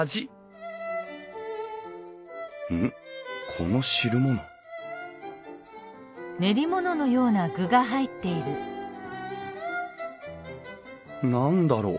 この汁物何だろう？